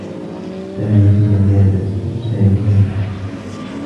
سامي في العيادة، يساعد ليلى.